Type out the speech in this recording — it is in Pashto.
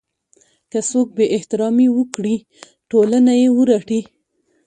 که څوک بې احترامي وکړي ټولنه یې ورټي.